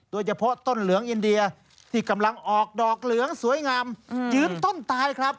โดยเฉพาะต้นเหลืองอินเดียที่กำลังออกดอกเหลืองสวยงามยืนต้นตายครับ